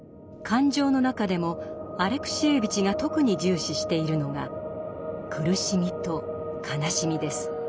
感情の中でもアレクシエーヴィチが特に重視しているのが「苦しみ」と「悲しみ」です。